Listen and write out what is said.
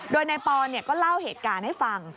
โดยนายปอนก็เล่าเหตุการณ์ให้ฟัง